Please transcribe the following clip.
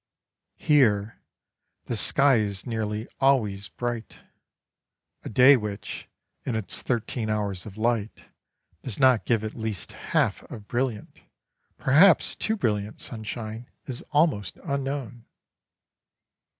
Here the sky is nearly always bright; a day which, in its thirteen hours of light, does not give at least half of brilliant, perhaps too brilliant sunshine, is almost unknown.